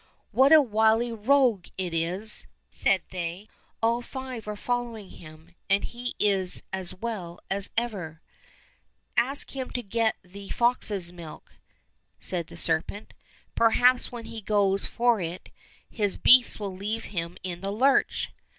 *' What a wily rogue it is !" said they. " All five are following him, and he is as well as ever !"—" Ask him to get thee fox's milk !" said the serpent ;" perhaps when he goes for it his beasts will leave him in the lurch